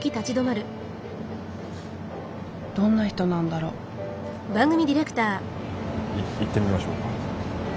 どんな人なんだろう。行ってみましょうか？